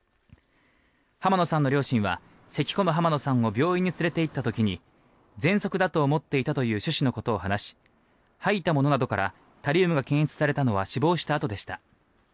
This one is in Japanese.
浜野さんの両親はせき込む浜野さんを病院に連れていった時にぜんそくだと思っていたという趣旨のことを話し吐いたものなどからタリウムが検出されたのは死亡したあとでした。